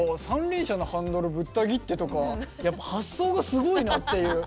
三輪車のハンドルぶった切ってとか発想がすごいなっていう。